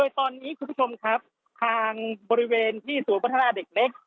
ทางบริเวณที่ศูนย์วัฒนาเด็กเล็ก